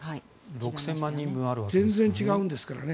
６０００万分ありますからね。